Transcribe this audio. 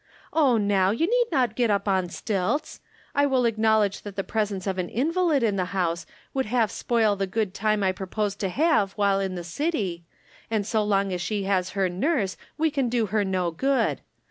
" Oh, now you need not get up on stilts' I will acknowledge that the presence of an invalid in the house would half spoil the good time I propose to have while in the city, and so long as she has her nurse we can do her no good.